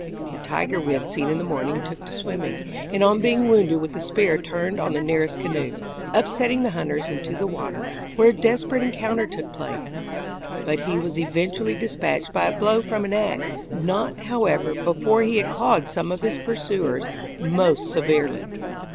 The tiger we had seen in the morning took to swimming, and on being wounded with a spear turned on the nearest canoe, upsetting the hunters into the water, where a desperate encounter took place; but he was eventually dispatched by a blow from an ax not, however, before he had clawed some of his pursuers most severely.